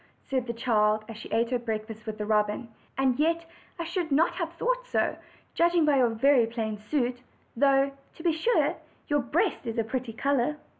said the child, as she ate her breakfast with the robin; "and yet I should not have thought so, judging by your very plain suit, though, to be sure, your breast is a pretty color."